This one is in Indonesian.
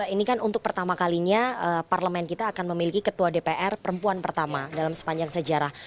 ini kan untuk pertama kalinya parlemen kita akan memiliki ketua dpr perempuan pertama dalam sepanjang sejarah